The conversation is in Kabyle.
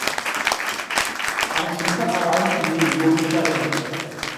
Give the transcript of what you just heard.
Rẓem taqerɛunt-nni, ma ulac aɣilif.